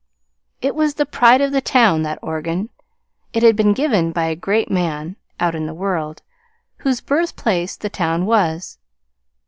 It was the pride of the town that organ. It had been given by a great man (out in the world) whose birthplace the town was.